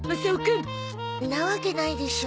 んなわけないでしょ。